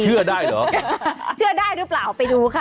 เชื่อได้เหรอเชื่อได้หรือเปล่าไปดูค่ะ